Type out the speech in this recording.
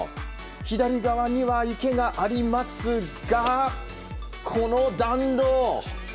左側には池がありますがこの弾道！